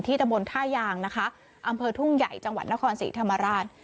ตะบนท่ายางนะคะอำเภอทุ่งใหญ่จังหวัดนครศรีธรรมราช